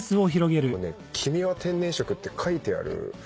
「君は天然色」って書いてある。